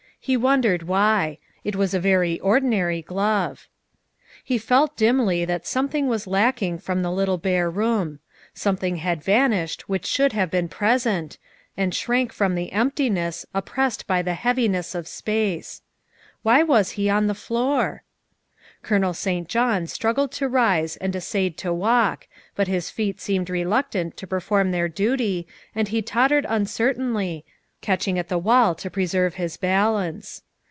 He wondered why ; it was a very ordinary glove. He felt dimly that something was lacking from the bare little room; something had vanished which should have been present, and shrank from the emptiness, op pressed by the heaviness of space. Why was he on the floor? Colonel St. John struggled to rise and essayed to walk, but his feet seemed reluctant to perform their duty and he tottered uncertainly, catching at the wall to preserve his balance.